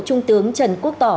trung tướng trần quốc tỏ